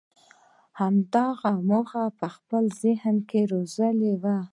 هغه دا موخه په خپل ذهن کې روزلې وه.